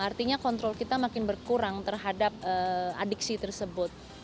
artinya kontrol kita makin berkurang terhadap adiksi tersebut